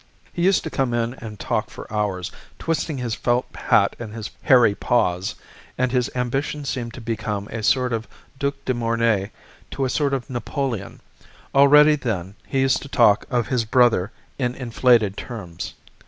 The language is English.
He used to come in and talk for hours, twisting his felt hat in his hairy paws, and his ambition seemed to become a sort of Duc de Morny to a sort of Napoleon. Already, then, he used to talk of his brother in inflated terms.